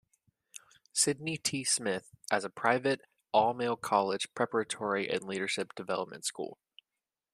Sidney T. Smythe as a private, all-male college preparatory and leadership development school.